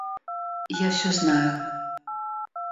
Я всё знаю.